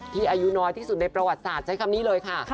อายุน้อยที่สุดในประวัติศาสตร์ใช้คำนี้เลยค่ะ